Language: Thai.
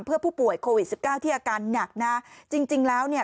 เพื่อผู้ป่วยโควิดสิบเก้าที่อาการหนักนะจริงจริงแล้วเนี่ย